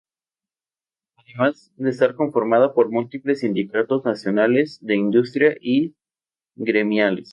Además de estar conformada por múltiples sindicatos nacionales de industria y gremiales.